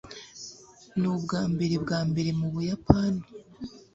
nubwambere bwambere mubuyapani